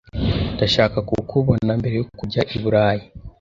Ndashaka kukubona mbere yo kujya i Burayi.